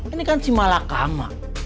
ini kan si malakama